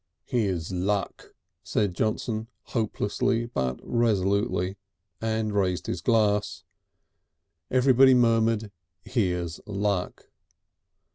"Here's Luck!" said Johnson hopelessly but resolutely, and raised his glass. Everybody murmured: "Here's luck."